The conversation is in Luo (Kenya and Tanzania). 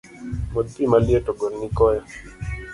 Modh pi maliet ogolni koyo